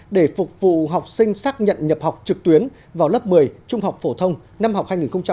để phục vụ học sinh xác nhận nhập học trực tuyến vào lớp một mươi trung học phổ thông năm học hai nghìn hai mươi hai nghìn hai mươi một